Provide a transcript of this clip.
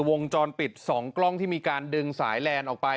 วงจรปิด๒กล้องที่มีการดึงสายแลนด์ออกไป